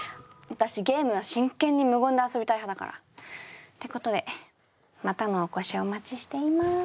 私ゲームは真剣に無言で遊びたい派だから。ってことでまたのお越しをお待ちしています。